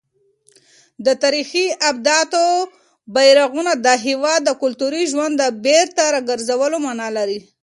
د تاریخي ابداتو بیارغونه د هېواد د کلتوري ژوند د بېرته راګرځولو مانا لري.